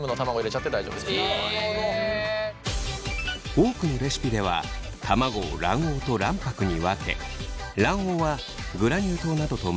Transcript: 多くのレシピでは卵を卵黄と卵白に分け卵黄はグラニュー糖などと混ぜて生地に。